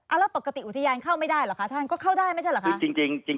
แล้วปกติอุทยานเข้าไม่ได้เหรอคะท่านก็เข้าได้ไม่ใช่เหรอคะ